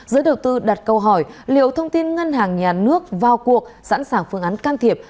giới đầu tư đặt câu hỏi liệu thông tin ngân hàng nhà nước vào cuộc sẵn sàng phương án can thiệp